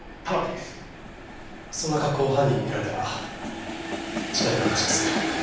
そんな格好を犯人に見られたら事態が悪化します。